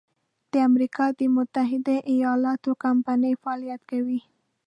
د امریکا د متحد ایلااتو کمپنۍ فعالیت کوي.